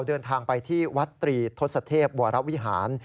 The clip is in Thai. เดินทางไปที่วัดตรีทศเทพวรวิหาร